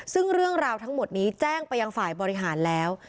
ซึ่งเรื่องราวทั้งหมดนี้แจ้งไปยังฝ่ายบริหารแล้ว